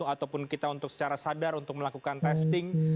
ataupun kita untuk secara sadar untuk melakukan testing